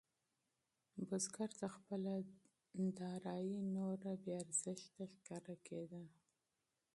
بزګر ته خپله دارايي نوره بې ارزښته ښکارېده.